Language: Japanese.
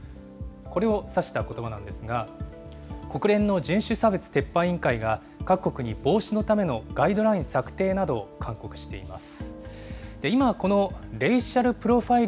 これを指したことばなんですが、国連の人種差別撤廃委員会が、各国に防止のためのガイドライン策定などを勧告しています。